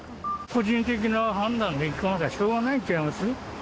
個人的な判断でいかないとしょうがないんちゃいます？